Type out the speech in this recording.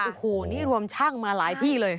โอ้โหนี่รวมช่างมาหลายที่เลย